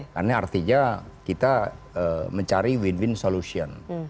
karena artinya kita mencari win win solution